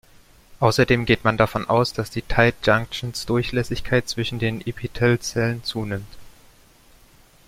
Außerdem geht man davon aus, dass die Tight-Junctions-Durchlässigkeit zwischen den Epithelzellen zunimmt.